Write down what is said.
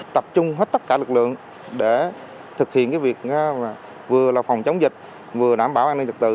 tập trung hết tất cả lực lượng để thực hiện việc vừa là phòng chống dịch vừa đảm bảo an ninh trật tự